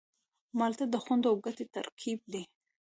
مالټه د خوند او ګټې ترکیب دی.